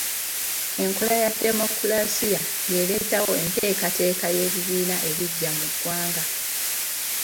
Enkola ya demokolasiya ye yaleetawo enteekateeka y’ebibiina ebiggya mu ggwanga.